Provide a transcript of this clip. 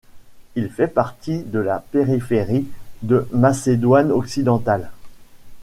Il fait partie de la périphérie de Macédoine-Occidentale.